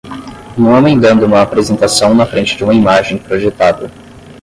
Um homem dando uma apresentação na frente de uma imagem projetada